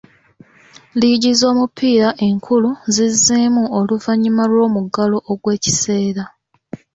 Liigi z'omupiira enkulu zizzeemu oluvannyuma lw'omuggalo ogw'ekiseera.